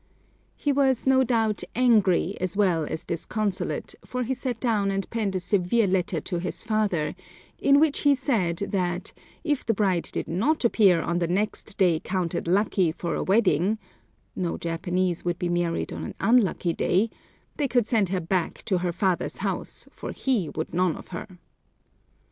He was, no doubt, angry as well as disconsolate, for he sat down and penned a severe letter to his father, in which he said that, if the bride did not appear on the next day counted lucky for a wedding (no Japanese would be married on an unlucky day), they could send her back to her father's house, for he would none of her.